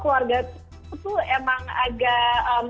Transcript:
keluarga itu emang agak